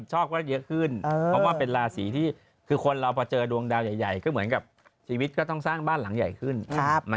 แล้วเค้าก็นิมนท์พระมาให้เรา